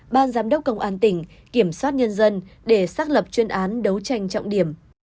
ban giám đốc công an tỉnh kiểm soát nhân dân để xác lập chuyên án đấu tranh trọng điểm